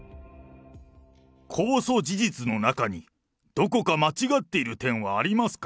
公訴事実の中に、どこか間違っている点はありますか？